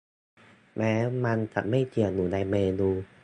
แม้มันจะไม่เขียนอยู่ในเมนู